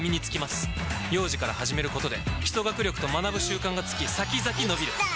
幼児から始めることで基礎学力と学ぶ習慣がつき先々のびる！